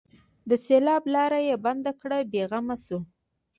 د سېلاب لاره یې بنده کړه؛ بې غمه شو.